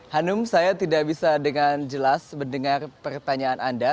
hanum saya tidak bisa dengan jelas mendengar pertanyaan anda